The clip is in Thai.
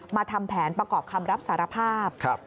ทำแผนประกอบคำรับสารภาพ